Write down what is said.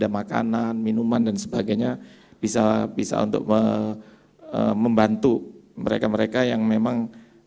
jadi sehingga ada makanan minuman dan sebagainya bisa untuk membantu mereka mereka yang memang